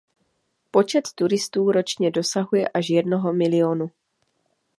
Počet turistů ročně dosahuje až jednoho milionu.